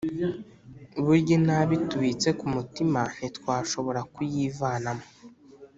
burya inabi tubitse ku mutima ntitwashobora kuyivamo